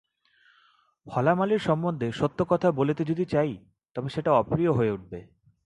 হলা মালীর সম্বন্ধে সত্য কথা বলতে যদি চাই তবে সেটা অপ্রিয় হয়ে উঠবে।